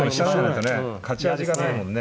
勝ち味がないもんね。